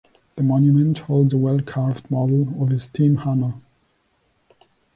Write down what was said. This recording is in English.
The monument holds a well-carved model of his steam hammer.